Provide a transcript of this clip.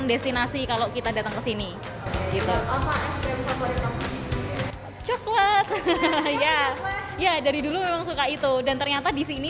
destinasi kalau kita datang ke sini gitu coklat ya ya dari dulu memang suka itu dan ternyata disini